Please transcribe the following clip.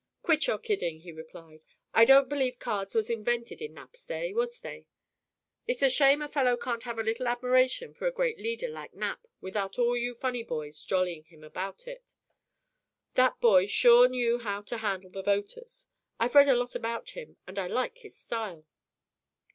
"Quit your kidding," he replied. "I don't believe cards was invented in Nap's day. Was they? It's a shame a fellow can't have a little admiration for a great leader like Nap without all you funny boys jollying him about it. That boy sure knew how to handle the voters. I've read a lot about him, and I like his style."